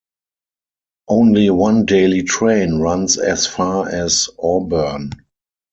Only one daily train runs as far as Auburn.